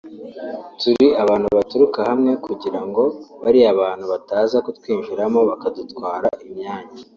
turi abantu baturuka hamwe kugira ngo bariya bantu bataza kutwinjiramo bakadutwara imyanya